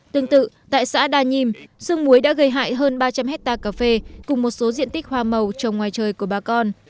tương tự tại xã đà nhiêm sương muối đã gây hại hơn ba trăm linh hectare cà phê cùng một số diện tích hoa màu trong ngoài trời của bà con